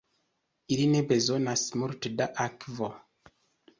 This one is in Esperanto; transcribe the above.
Ili ne bezonas multe da akvo.